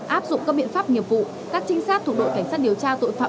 áp dụng các biện pháp nghiệp vụ các trinh sát thuộc đội cảnh sát điều tra tội phạm